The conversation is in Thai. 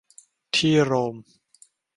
ที่โรม